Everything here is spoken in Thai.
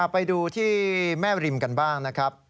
ไปดูที่แม่ริมกันบ้างนะครับ